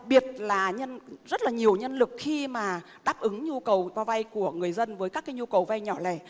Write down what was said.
và rất là nhiều nhân lực khi mà đáp ứng nhu cầu và vai của người dân với các nhu cầu vai nhỏ lẻ